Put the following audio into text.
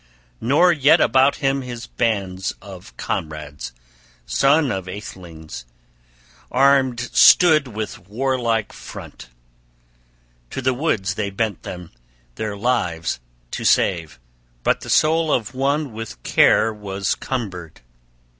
Nor yet about him his band of comrades, sons of athelings, armed stood with warlike front: to the woods they bent them, their lives to save. But the soul of one with care was cumbered.